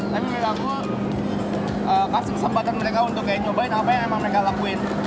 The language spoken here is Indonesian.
tapi menurut aku kasih kesempatan mereka untuk kayak nyobain apa yang emang mereka lakuin